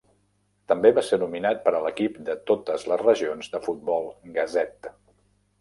També va ser nominat per a l'equip de totes les regions de Futbol Gazette.